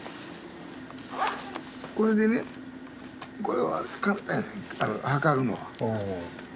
これでねこれは簡単や測るのは。